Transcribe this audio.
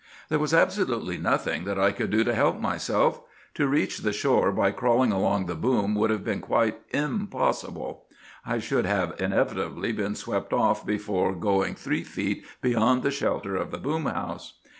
"There was absolutely nothing that I could do to help myself. To reach the shore by crawling along the boom would have been quite impossible. I should have inevitably been swept off before going three feet beyond the shelter of the boom house.